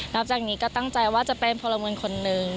จากนี้ก็ตั้งใจว่าจะเป็นพลเมืองคนหนึ่ง